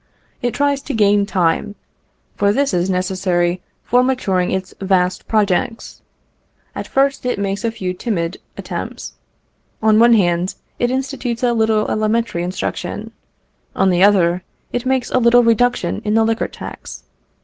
It tries to gain time, for this is necessary for maturing its vast projects. At first, it makes a few timid attempts: on one hand it institutes a little elementary instruction; on the other, it makes a little reduction in the liquor tax (1850).